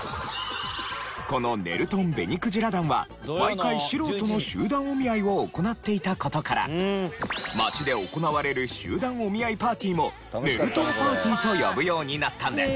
この『ねるとん紅鯨団』は毎回素人の集団お見合いを行っていた事から街で行われる集団お見合いパーティーもねるとんパーティーと呼ぶようになったんです。